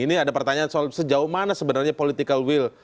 ini ada pertanyaan soal sejauh mana sebenarnya political will